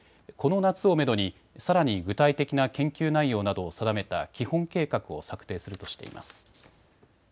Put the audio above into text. この夏をめどにさらに具体的な研究内容などを定めた基本計画を策定するとしています。